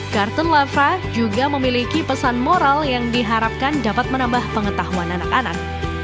kartun levra juga memiliki pesan moral yang diharapkan dapat menambah pengetahuan anak anak